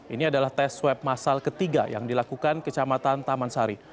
ini adalah tes swab masal ketiga yang dilakukan kecamatan taman sari